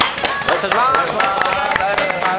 よろしくお願いします。